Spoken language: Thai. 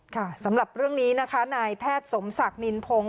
สำหรับเรื่องนี้นะคะนายแพทย์สมศักดิ์นินพงศ